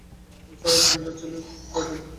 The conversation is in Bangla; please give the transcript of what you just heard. তিনি স্যার ট্রেভর চীচেল-প্লডেণের